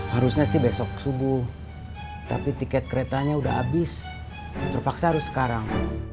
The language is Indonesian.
harusnya sih besok subuh tapi tiket keretanya sudah habis terpaksa harus sekarang